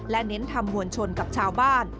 และเน้นทำมวลชนกับชาวบ้าน